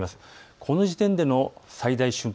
この時点での最大瞬間